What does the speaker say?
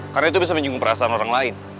karena itu bisa menyinggung perasaan orang lain